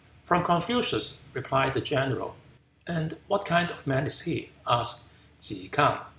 "From Confucius," replied the general. "And what kind of man is he?" asked Ke K'ang.